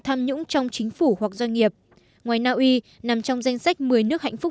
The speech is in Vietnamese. tổn thống trong chính phủ hoặc doanh nghiệp ngoài naui nằm trong danh sách một mươi nước hạnh phúc